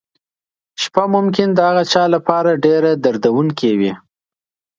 شپه ممکن د هغه چا لپاره ډېره دردونکې وي.